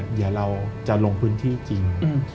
เดี๋ยวเราจะลงพื้นที่จริง